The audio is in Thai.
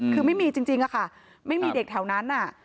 คือไม่มีจริงอะค่ะไม่มีเด็กแถวนั้น